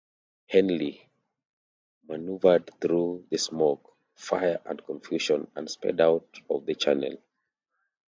"Henley" maneuvered through the smoke, fire, and confusion and sped out of the channel.